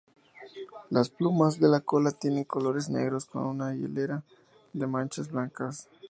Las plumas de la cola tienen colores negros con una hilera de manchas blancas.